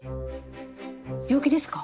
病気ですか？